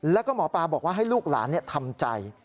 แล้วก็หมอปลาบอกว่าให้ลูกหลานทำใจ